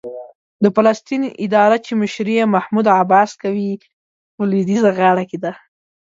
د فلسطین اداره چې مشري یې محمود عباس کوي، په لوېدیځه غاړه کې ده.